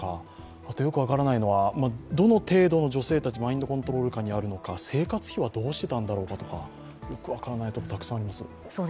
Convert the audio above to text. あとよく分からないのはどの程度の女性たちマインドコントロール下にあるのか生活費はどうしていたんだろうかとか、よく分からないことがたくさんあります。